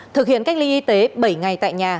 thực hiện cách ly y tế bảy ngày tại nhà